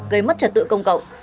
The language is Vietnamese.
gây mất trật tự công cộng